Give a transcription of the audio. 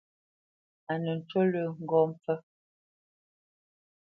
A nə ncú lə́ ŋgó mpfə́.